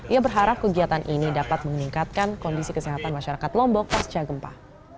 ia berharap kegiatan ini dapat meningkatkan kondisi kesehatan masyarakat lombok pasca gempa